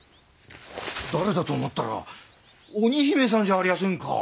誰だと思ったら鬼姫さんじゃありやせんか！